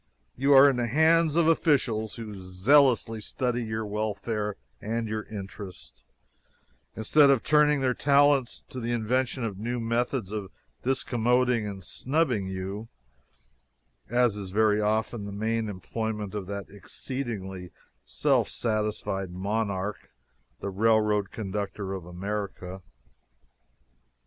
You are in the hands of officials who zealously study your welfare and your interest, instead of turning their talents to the invention of new methods of discommoding and snubbing you, as is very often the main employment of that exceedingly self satisfied monarch, the railroad conductor of America.